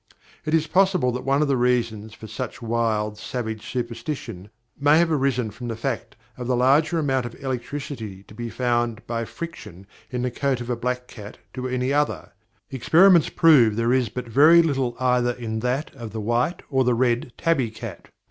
It is possible that one of the reasons for such wild, savage superstition may have arisen from the fact of the larger amount of electricity to be found by friction in the coat of the black cat to any other; experiments prove there is but very little either in that of the white or the red tabby cat.